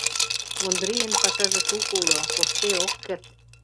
Ондрийын пашаже шуко уло, коштде ок керт.